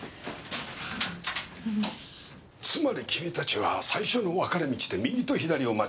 つまり君たちは最初の分かれ道で右と左を間違えたんだ。